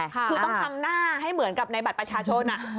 คือต้องทำหน้าให้เหมือนกับในบัตรประชาชน